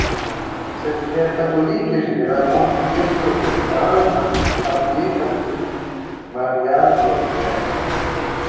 Cette prière catholique est généralement priée sur les grains d'un chapelet catholique marial ordinaire.